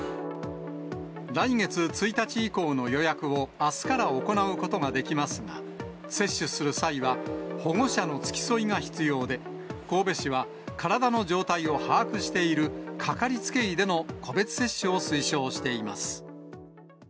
来月１日以降の予約をあすから行うことができますが、接種する際は、保護者の付き添いが必要で、神戸市は、体の状態を把握しているかかりつけ医での個別接種を推奨しています。